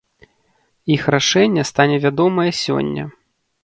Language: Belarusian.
Іх рашэнне стане вядомае сёння.